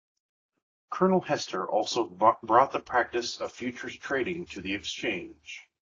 Colonel Hester also brought the practice of futures trading to the Exchange.